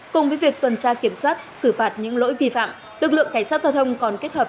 cùng với việc tuần tra kiểm soát xử phạt những lỗi vi phạm lực lượng cảnh sát giao thông còn kết hợp